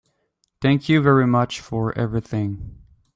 Thank you very much for everything.